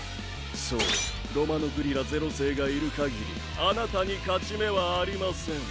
そうロマノグリラ０世がいるかぎりあなたに勝ち目はありません。